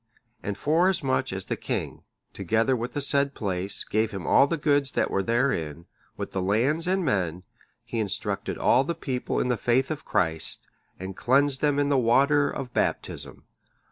And forasmuch as the king, together with the said place, gave him all the goods that were therein, with the lands and men, he instructed all the people in the faith of Christ, and cleansed them in the water of Baptism.